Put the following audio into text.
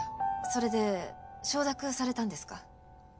それで承諾されたんですか？